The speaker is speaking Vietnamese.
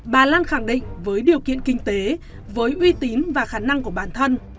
bà lan khẳng định với điều kiện kinh tế với uy tín và khả năng của bản thân